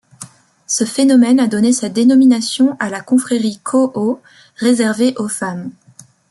Ce phénomène a donné sa dénomination à la confrérie Koo réservée aux femmes.